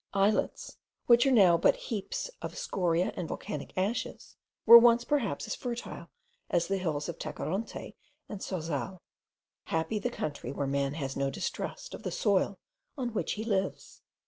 Islets, which are now but heaps of scoriae and volcanic ashes, were once perhaps as fertile as the hills of Tacoronte and Sauzal. Happy the country, where man has no distrust of the soil on which he lives!